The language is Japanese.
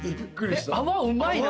泡うまいな。